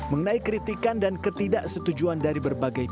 mengenai kritikan dan ketidaksetujuan dari berbagai pihak